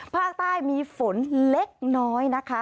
ภาคใต้มีฝนเล็กน้อยนะคะ